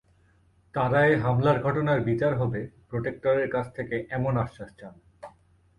তাঁরা এ হামলার ঘটনার বিচার হবে প্রক্টরের কাছ থেকে এমন আশ্বাস চান।